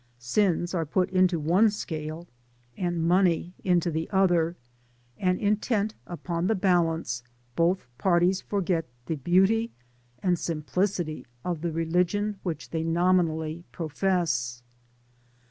Sins are put into one scale and money into the other, and intent upon the balance, both parties forget the beauty and simplicity of the religion which they nominally profess.